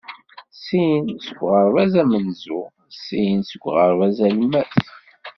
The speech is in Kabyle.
Sin seg uɣerbaz amenzu, sin seg uɣerbaz alemmas.